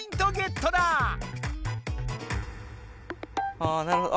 あなるほど。